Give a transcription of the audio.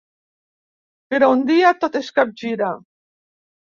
Però un dia, tot es capgira.